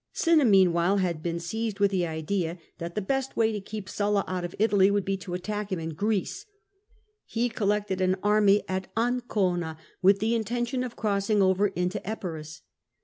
Oinna meanwhile had been seized with the idea that the 140 SULLA best way to keep Sulia out of Italy would be to attack Mm in Greece. He collected an army at Ancona, with the intention of crossing over into Epirus.